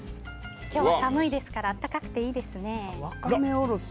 今日は寒いですから温かくていいですね。